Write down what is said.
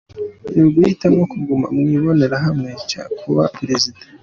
Ni uguhitamwo kuguma mw'ibohero canke kuba prezida?.